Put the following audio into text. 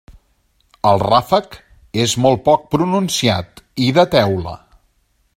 El ràfec és molt poc pronunciat i de teula.